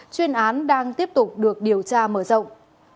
chuyên án đang tiếp tục được điều tra mở rộng